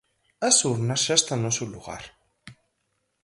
As urnas xa están no seu lugar.